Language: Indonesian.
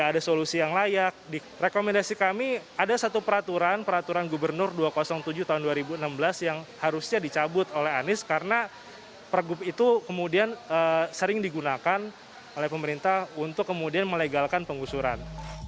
karena pergub itu kemudian sering digunakan oleh pemerintah untuk kemudian melegalkan pengusuran